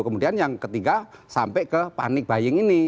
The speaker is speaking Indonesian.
kemudian yang ketiga sampai ke panik baying ini